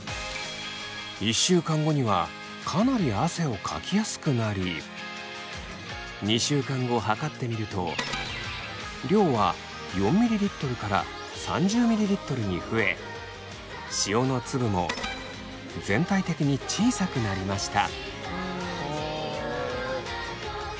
１週間後にはかなり汗をかきやすくなり２週間後測ってみると量は４ｍｌから３０ｍｌに増え塩の粒も全体的に小さくなりました。